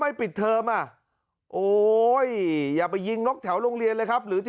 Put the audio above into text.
ปิดเทอมอ่ะโอ้ยอย่าไปยิงนกแถวโรงเรียนเลยครับหรือจะ